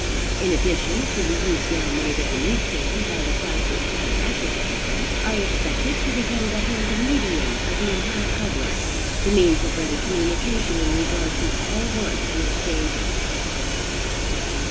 In addition to the use now made of the newspaper by the classes called "advertisers," I expect it to become the handy medium of the entire public, the means of ready communication in regard to all wants and exchanges.